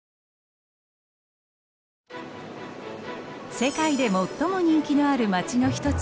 世界で最も人気のある街の一つ